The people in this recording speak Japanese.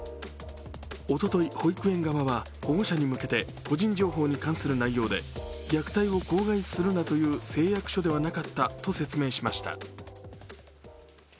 おととい、保育園側は保護者に向けて、個人情報に関する問題で虐待を口外するなという誓約書ではなかったと説明しました。